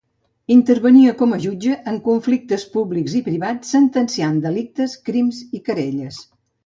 Intervenia com a jutge en conflictes públics i privats, sentenciant delictes, crims i querelles.